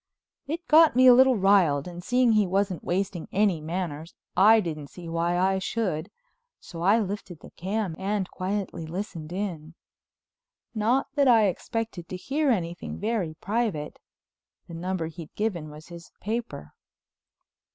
It got me a little riled and seeing he wasn't wasting any manners I didn't see why I should, so I lifted the cam and quietly listened in. Not that I expected to hear anything very private. The number he'd given was his paper.